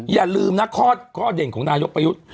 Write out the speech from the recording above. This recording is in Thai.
อย่าลืมเรียกนักคลอดก็เย็นของนายกประยุทธ